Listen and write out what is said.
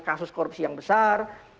kasus korupsi yang besar